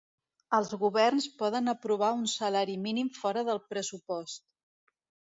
Els governs poden aprovar un salari mínim fora del pressupost.